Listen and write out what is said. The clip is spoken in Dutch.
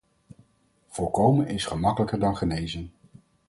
Voorkomen is gemakkelijker dan genezen.